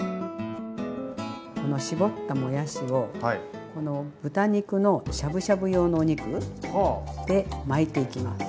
この絞ったもやしをこの豚肉のしゃぶしゃぶ用のお肉で巻いていきます。